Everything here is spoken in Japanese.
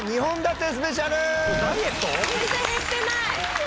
全然減ってない！